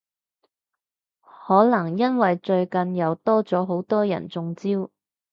可能因為最近又多咗好多人中招？